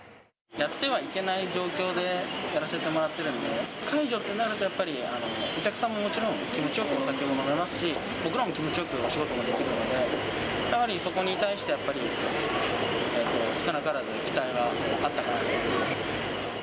やってはいけない状況でやらせてもらってるんで、解除ってなるとやっぱり、お客さんももちろん、気持ちよくお酒を飲めますし、僕らも気持ちよくお仕事ができるので、やはりそこに対して、やっぱり少なからず期待はあったかなと。